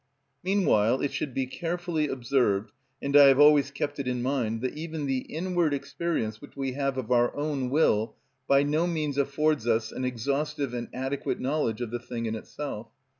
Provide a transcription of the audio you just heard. Meanwhile it should be carefully observed, and I have always kept it in mind, that even the inward experience which we have of our own will by no means affords us an exhaustive and adequate knowledge of the thing in itself.